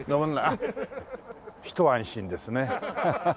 あっひと安心ですね。